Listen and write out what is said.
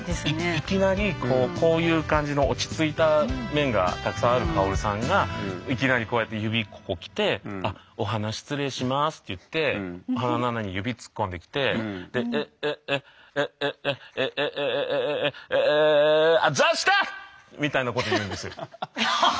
いきなりこういう感じの落ち着いた面がたくさんある薫さんがいきなりこうやって指ここきて「お鼻失礼します」って言って鼻の穴に指突っ込んできて「えええええあざした！」みたいなこと言うんですよ。